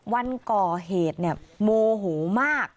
วันก่อเหตุเนี่ยโมโหมาก